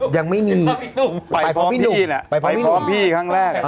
อย่างมีความพี่นุ่งไหมแผ่พร้อมพี่คั้งแรก